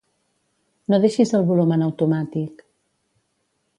No deixis el volum en automàtic.